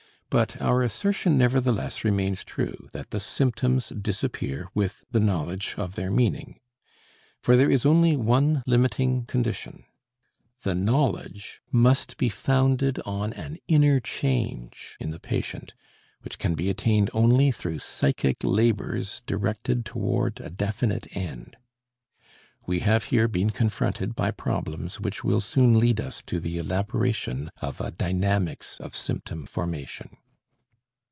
But our assertion nevertheless remains true that the symptoms disappear with the knowledge of their meaning. For there is only one limiting condition; the knowledge must be founded on an inner change in the patient which can be attained only through psychic labors directed toward a definite end. We have here been confronted by problems which will soon lead us to the elaboration of a dynamics of symptom formation.